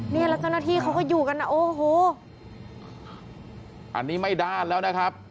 เนี่ยแล้วเจ้าหน้าที่เขาก็อยู่กันอ่ะโอ้โหอันนี้ไม่ด้านแล้วนะครับ